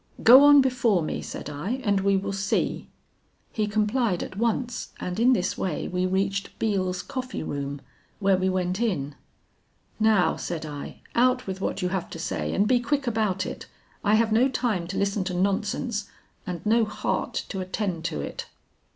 'Go on before me,' said I, 'and we will see.' He complied at once, and in this way we reached Beale's Coffee Room, where we went in. 'Now,' said I, 'out with what you have to say and be quick about it. I have no time to listen to nonsense and no heart to attend to it.'